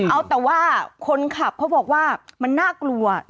เอาแต่ว่าคนขับเขาบอกว่ามันน่ากลัว